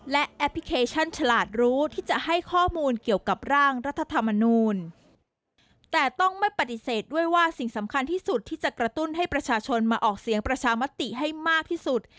และแอปพลิเคชันฉลาดรู้ที่จะให้ข้อมูลเกี่ยวกับร่างรัฐธรรมนูลแต่ต้องไม่ปฏิเสธด้วยว่าสิ่งสำคัญที่สุดที่จะกระตุ้นให้ประชาชนมาออกเสียงประชามติให้มากที่สุด